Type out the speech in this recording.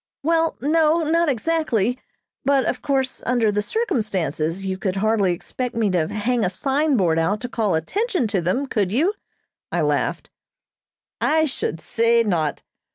"Well, no, not exactly, but of course, under the circumstances, you could hardly expect me to hang a signboard out to call attention to them, could you?" I laughed. "I should say not.